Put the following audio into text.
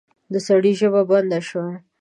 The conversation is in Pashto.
د سړي ژبه بنده شوه.